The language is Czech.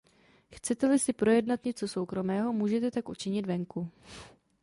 Chcete-li si projednat něco soukromého, můžete tak učinit venku.